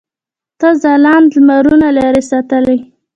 تا ځلاند لمرونه لرې ساتلي.